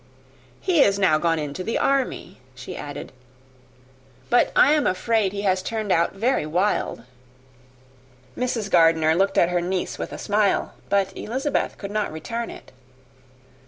"He is now gone into the army," she added; "but I am afraid he has turned out very wild." Mrs. Gardiner looked at her niece with a smile, but Elizabeth could not return it.